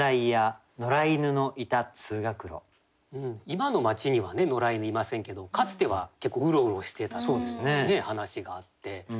今の町には野良犬いませんけどかつては結構うろうろしてたっていう話があって。